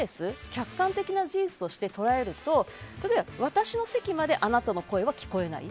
客観的な事実として捉えると、私の席まであなたの声は聞こえない。